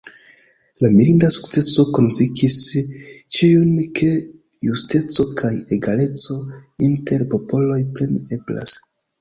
La mirinda sukceso konvinkis ĉiujn, ke justeco kaj egaleco inter popoloj plene eblas.